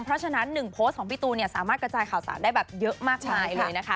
เพราะฉะนั้น๑โพสต์ของพี่ตูนเนี่ยสามารถกระจายข่าวสารได้แบบเยอะมากมายเลยนะคะ